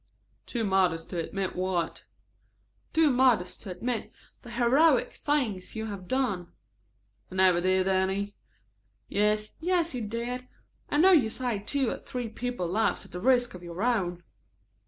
"Too modest to admit what?" "Too modest to admit the heroic things you have done." "I never did any." "Yes, you did. I know you saved two or three people's lives at the risk of your own."